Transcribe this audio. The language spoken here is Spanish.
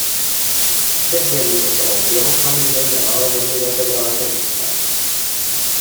Desde allí se toma un viejo camino llamado de las minas del Evangelista.